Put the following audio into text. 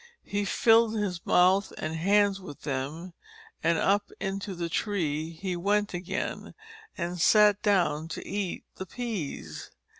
He filled his mouth and hands with them, and up into the tree he went again, and sat down to eat the peas.